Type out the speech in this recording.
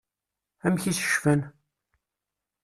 Amek i s-cfan?